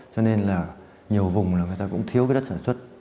cho nên là nhiều vùng người ta cũng thiếu đất sản xuất